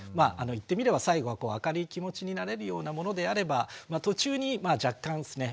言ってみれば最後は明るい気持ちになれるようなものであれば途中に若干ですね